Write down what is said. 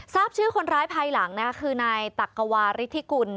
ทราบชื่อคนร้ายภายหลังคือนายตักกวาริธิกุล